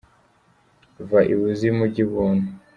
Va i buzimu jya i bumuntu”.